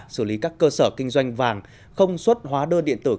xử lý các cơ sở kinh doanh vàng không xuất hóa đơn điện tử